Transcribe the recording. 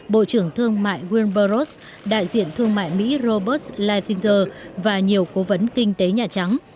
bộ trưởng thương mại william burroughs đại diện thương mại mỹ robert leithinger và nhiều cố vấn kinh tế nhà trắng